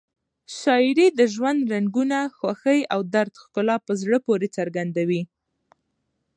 شاعري د ژوند رنګونه، خوښۍ او درد ښکلا په زړه پورې څرګندوي.